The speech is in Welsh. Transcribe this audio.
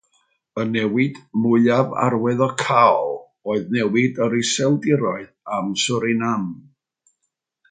Y newid mwyaf arwyddocaol oedd newid yr Iseldiroedd am Suriname.